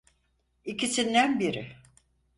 İkisinden biri.